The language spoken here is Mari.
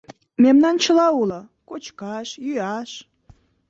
Мемнан чыла уло: кочкаш, йӱаш...